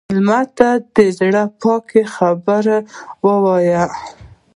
مېلمه ته د زړه پاکه خبره وایه.